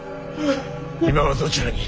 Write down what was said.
今はどちらに。